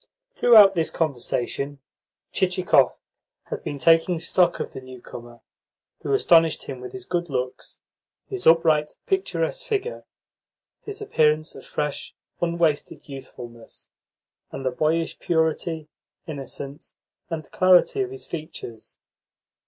Throughout this conversation, Chichikov had been taking stock of the newcomer, who astonished him with his good looks, his upright, picturesque figure, his appearance of fresh, unwasted youthfulness, and the boyish purity, innocence, and clarity of his features.